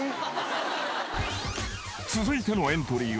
［続いてのエントリーは］